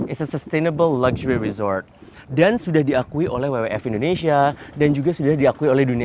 is a sustainable luxury resort dan sudah diakui oleh wwf indonesia dan juga sudah diakui oleh dunia